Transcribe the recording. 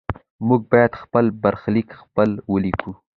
موږ باید خپل برخلیک خپله ولیکو.